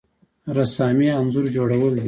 رسامي انځور جوړول دي